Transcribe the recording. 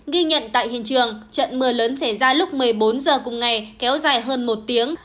ghi nhận tại hiện trường trận mưa lớn xảy ra lúc một mươi bốn h cùng ngày kéo dài hơn một tiếng